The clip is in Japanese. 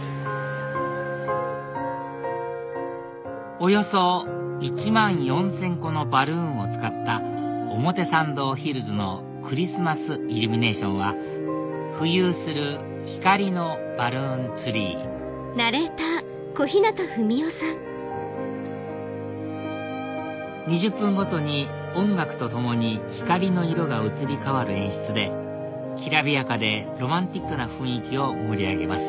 およそ１万４０００個のバルーンを使った表参道ヒルズのクリスマスイルミネーションは浮遊する光のバルーンツリー２０分ごとに音楽とともに光の色が移り変わる演出できらびやかでロマンチックな雰囲気を盛り上げます